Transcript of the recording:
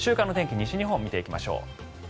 西日本を見ていきましょう。